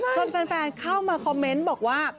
แฟนเข้ามาคอมเมนต์บอกว่า